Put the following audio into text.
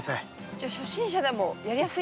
じゃあ初心者でもやりやすい？